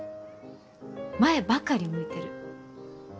前ばかり向いてる。